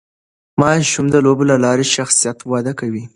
ماشومان د لوبو له لارې شخصیت وده کوي.